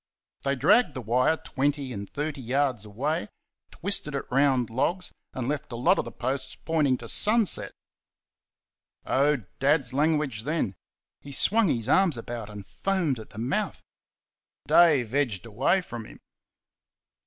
They dragged the wire twenty and thirty yards away, twisted it round logs, and left a lot of the posts pointing to sunset. Oh, Dad's language then! He swung his arms about and foamed at the mouth. Dave edged away from him.